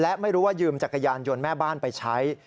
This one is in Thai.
และไม่รู้ว่ายืมจักรยานยนต์แม่บ้านไปใช้